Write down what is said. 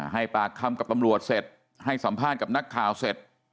ให้ปากคำกับตำรวจเสร็จให้สัมภาษณ์กับนักข่าวเสร็จ